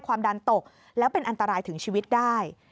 ความดันตกแล้วเป็นอันตรายถึงชีวิตได้